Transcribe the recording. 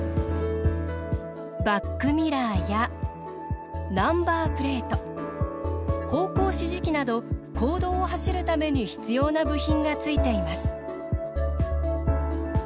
バックミラーやナンバープレート方向指示器など公道を走るために必要な部品がついています。